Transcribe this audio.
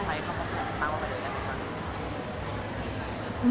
ใช้เขามาเต้าไปเลยอย่างนั้นไหมคะ